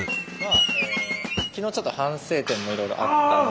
昨日ちょっと反省点もいろいろあったんで。